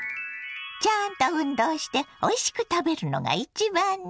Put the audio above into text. ちゃんと運動しておいしく食べるのが一番ね。